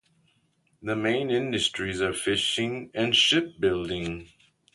The main industries are fishing and shipbuilding.